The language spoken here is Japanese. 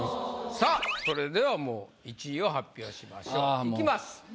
さぁそれではもう１位を発表しましょういきます。